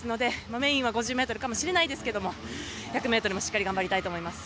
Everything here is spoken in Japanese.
メインは５０ｍかもしれないですが１００ｍもしっかり頑張りたいと思います。